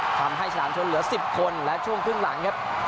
ฉลามชนเหลือ๑๐คนและช่วงครึ่งหลังครับ